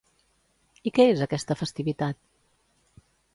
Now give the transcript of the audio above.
I què és aquesta festivitat?